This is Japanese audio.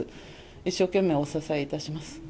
一生懸命お支えいたします。